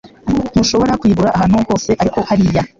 Ntushobora kuyigura ahantu hose ariko hariya